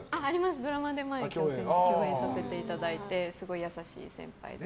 前にドラマで共演させていただいてすごい優しい先輩です。